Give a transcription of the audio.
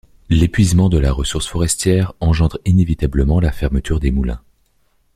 L'épuisement de la ressource forestière engendre inévitablement la fermeture des moulins.